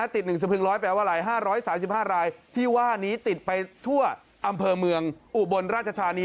ติด๑สะพึงร้อยแปลว่าอะไร๕๓๕รายที่ว่านี้ติดไปทั่วอำเภอเมืองอุบลราชธานี